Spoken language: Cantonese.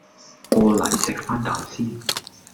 過黎錫返啖先